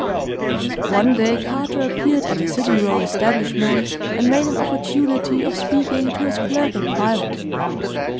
One day Carter appeared at the City Road establishment, and made an opportunity of speaking to his clerk in private.